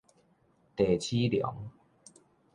袋鼠龍